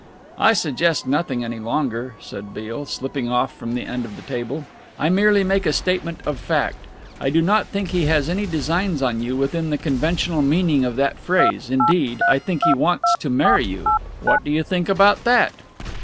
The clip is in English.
"I suggest nothing any longer," said Beale, slipping off from the end of the table. "I merely make a statement of fact. I do not think he has any designs on you, within the conventional meaning of that phrase, indeed, I think he wants to marry you what do you think about that?"